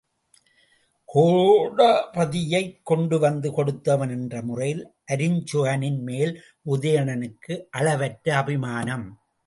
கோடபதியைக் கொண்டுவந்து கொடுத்தவன் என்ற முறையில் அருஞ்சுகனின்மேல் உதயணனுக்கு அளவற்ற அபிமானம் ஏற்பட்டிருந்தது.